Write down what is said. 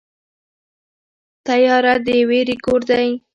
تیاره د وېرې کور دی.